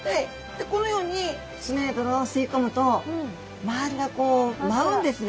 でこのように砂や泥を吸い込むと周りがこう舞うんですね